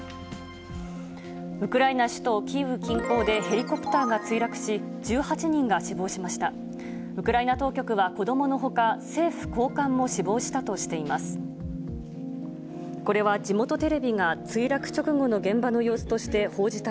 ウクライナ首都キーウ近郊で、ヘリコプターが墜落し、１８人が死亡しました。